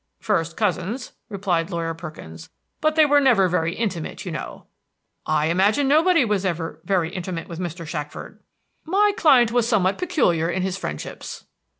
"First cousins," replied Lawyer Perkins; "but they were never very intimate, you know." "I imagine nobody was ever very intimate with Mr. Shackford." "My client was somewhat peculiar in his friendships."